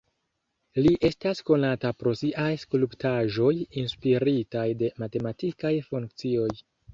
Li estas konata pro siaj skulptaĵoj inspiritaj de matematikaj funkcioj.